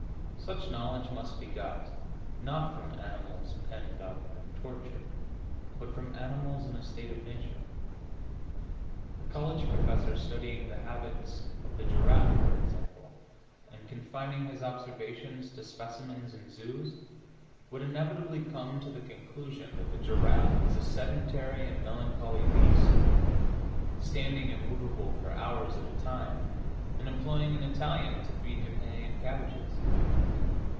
Such knowledge must be got, not from animals penned up and tortured, but from animals in a state of nature. A college professor studying the habits of the giraffe, for example, and confining his observations to specimens in zoos, would inevitably come to the conclusion that the giraffe is a sedentary and melancholy beast, standing immovable for hours at a time and employing an Italian to feed him hay and cabbages.